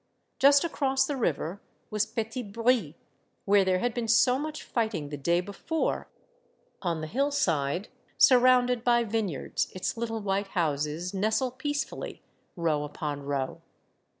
Just across the river was Petit Bry, where there had been so much fighting the day before ; on the hillside, surrounded by vineyards, its little white houses nestle peacefully, row upon row.